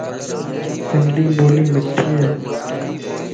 سنڌي ٻولي مٺي ائي.